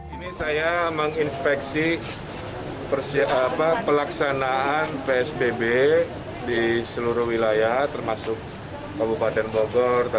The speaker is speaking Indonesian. ini saya menginspeksi pelaksanaan psbb di seluruh wilayah